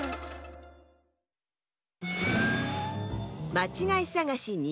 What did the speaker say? まちがいさがし２